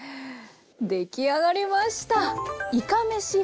出来上がりました。